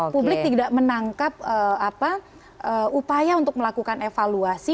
publik tidak menangkap upaya untuk melakukan evaluasi